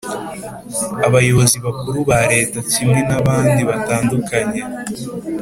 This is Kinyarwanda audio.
abayobozi bakuru ba Leta kimwe n abandi batandukanye